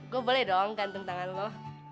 gue boleh doang ganteng tangan lo